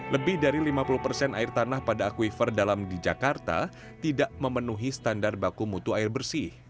lebih dari lima puluh persen air tanah pada akuifer dalam di jakarta tidak memenuhi standar baku mutu air bersih